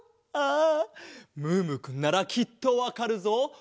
ああムームーくんならきっとわかるぞ。